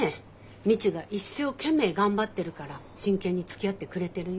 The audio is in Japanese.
未知が一生懸命頑張ってるから真剣につきあってくれてるよ。